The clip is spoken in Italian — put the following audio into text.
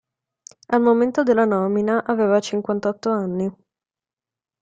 Al momento della nomina aveva cinquantotto anni.